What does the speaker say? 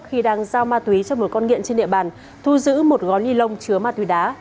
khi đang giao ma túy cho một con nghiện trên địa bàn thu giữ một gói ni lông chứa ma túy đá